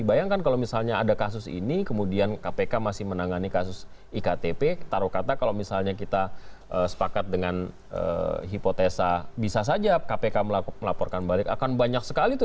bayangkan kalau misalnya ada kasus ini kemudian kpk masih menangani kasus iktp taruh kata kalau misalnya kita sepakat dengan hipotesa bisa saja kpk melaporkan balik akan banyak sekali tuh